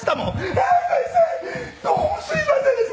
「いやー先生どうもすいませんでした」